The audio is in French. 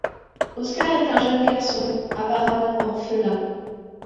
Oscar est un jeune garçon, apparemment orphelin.